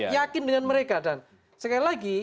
yakin dengan mereka dan sekali lagi